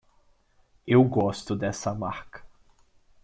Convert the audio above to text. Eu gosto dessa marca.